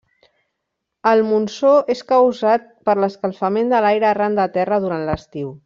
El monsó és causat per l'escalfament de l'aire arran de terra durant l'estiu.